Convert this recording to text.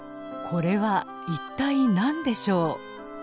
これは一体何でしょう？